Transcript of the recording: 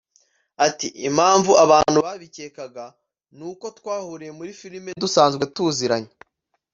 Ati ” Impamvu abantu babikekaga ni uko twahuriye muri filime dusanzwe tuziranye